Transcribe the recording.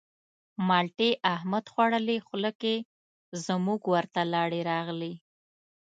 مالټې احمد خوړلې خوله کې زموږ ورته لاړې راغلې.